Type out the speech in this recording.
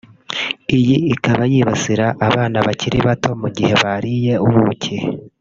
Iyi ikaba yibasira abana bakiri bato mu gihe bariye ubuki